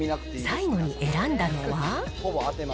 最後に選んだのは。